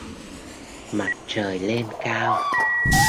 Mặt trời lên cao